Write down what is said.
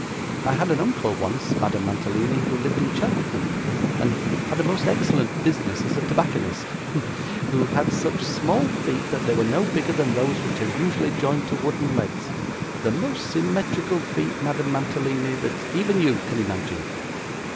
I had an uncle once, Madame Mantalini, who lived in Cheltenham, and had a most excellent business as a tobacconist hem who had such small feet, that they were no bigger than those which are usually joined to wooden legs the most symmetrical feet, Madame Mantalini, that even you can imagine.